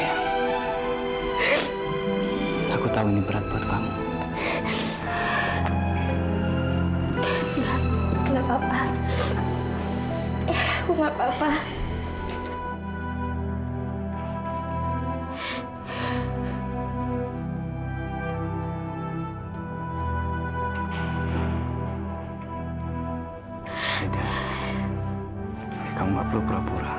kamu tidak perlu berhapuran